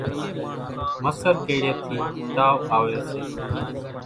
مسر ڪيڙيئيَ ٿِي تاوَ آويَ سي۔